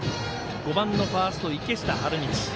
５番のファースト池下春道。